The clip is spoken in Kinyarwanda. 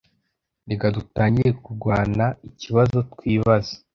Reka dutangire kurwana ikibazo twibaza